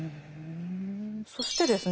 そしてですね